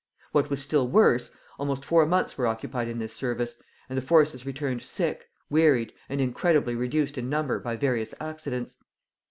What was still worse, almost four months were occupied in this service, and the forces returned sick, wearied, and incredibly reduced in number by various accidents.